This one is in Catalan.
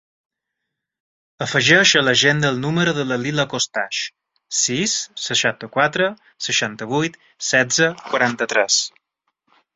Afegeix a l'agenda el número de la Lila Costache: sis, seixanta-quatre, seixanta-vuit, setze, quaranta-tres.